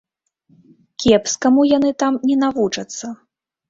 Кепскаму яны там не навучацца.